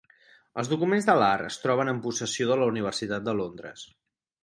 Els documents de Lahr es troben en possessió de la Universitat de Londres.